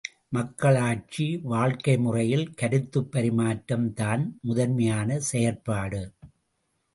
மக்களாட்சி வாழ்க்கை முறையில் கருத்துப் பரிமாற்றம் தான் முதன்மையான செயற்பாடு!